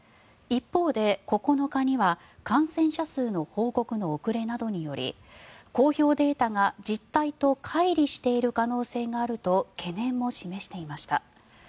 一方で、９日には感染者数の報告の遅れなどにより公表データが実態とかい離している可能性があると懸念も示していました。